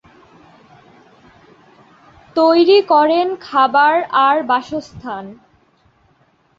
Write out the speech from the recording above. তৈরি করেন খাবার আর বাসস্থান।